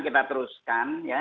kita teruskan ya